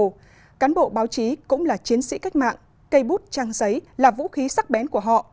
các cán bộ báo chí cũng là chiến sĩ cách mạng cây bút trang giấy là vũ khí sắc bén của họ